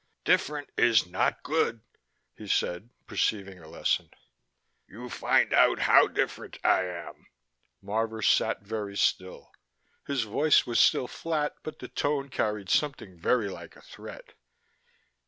"Different is not good," he said, perceiving a lesson. "You find out how different I am." Marvor sat very still. His voice was still flat but the tone carried something very like a threat.